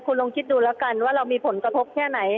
คุณลองคิดดูแล้วกันว่าเรามีผลกระทบแค่ไหน